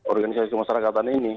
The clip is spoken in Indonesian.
organisasi kemasyarakatan ini